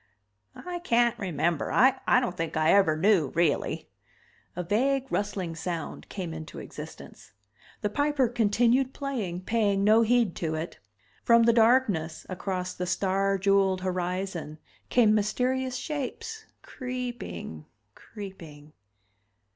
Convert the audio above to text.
"I can't remember. I don't think I ever knew, really." A vague rustling sound came into existence. The Piper continued playing, paying no heed to it. From the darkness, across the star jewelled horizon, came mysterious shapes, creeping, creeping.